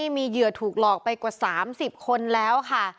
มีเหยื่อถูกหลอกไปกว่า๓๐คนแล้วค่ะ